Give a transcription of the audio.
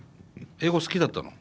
英語好きだったの？